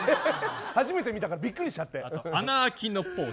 初めて見たからびっくりしちゃって。